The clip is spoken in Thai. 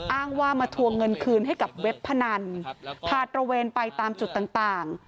อ้างว่ามาทวงเงินคืนให้กับเว็บพนันพาตระเวนไปตามจุดต่างต่าง